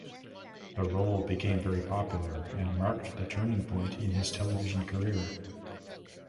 The role became very popular and marked the turning point in his television career.